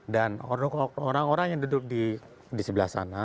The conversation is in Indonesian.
dan orang orang yang duduk di sebelah sana